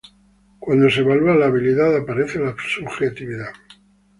Cuando se evalúa la habilidad aparece la subjetividad.